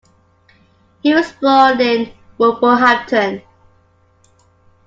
He was born in Wolverhampton.